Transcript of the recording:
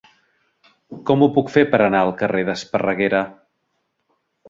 Com ho puc fer per anar al carrer d'Esparreguera?